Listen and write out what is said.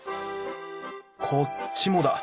こっちもだ。